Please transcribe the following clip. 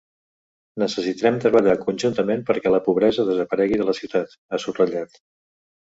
Necessitem treballar conjuntament perquè la pobresa desaparegui de la ciutat, ha subratllat.